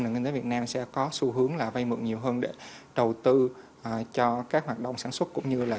nước việt nam sẽ có xu hướng là vay mượn nhiều hơn để đầu tư cho các hoạt động sản xuất cũng như là